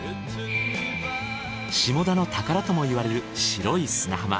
下田の宝ともいわれる白い砂浜。